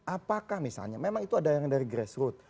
apakah misalnya memang itu ada yang dari grassroot